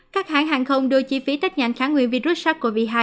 các hãng hàng không đưa chi phí tết nhanh kháng nguyên virus sars cov hai